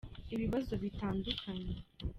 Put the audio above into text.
Ibibazo bitadukanye.